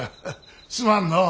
すまんのう。